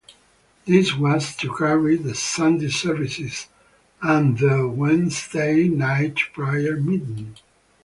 This was to carry the Sunday services and the Wednesday night prayer meeting.